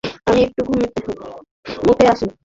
আমি একটু মুতে আসি।